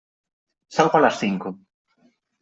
Salgo a las cinco.